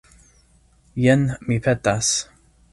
Jen, mi petas.